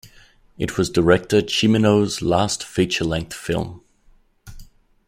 It was director Cimino's last feature-length film.